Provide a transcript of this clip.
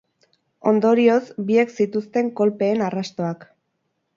Ondorioz, biek zituzten kolpeen arrastoak.